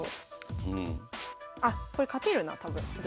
あっこれ勝てるな多分私。